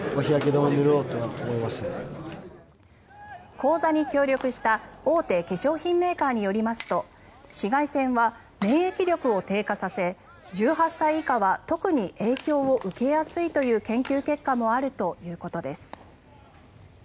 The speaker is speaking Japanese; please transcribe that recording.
講座に協力した大手化粧品メーカーによりますと紫外線は免疫力を低下させ１８歳以下は特に影響を受けやすいという研究結果もあるということです。